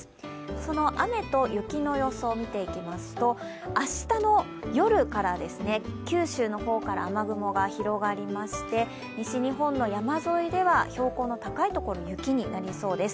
その雨と雪の予想を見ていきますと、明日の夜から九州の方から雨雲が広がりまして西日本の山沿いでは標高の高いところは雪になりそうです。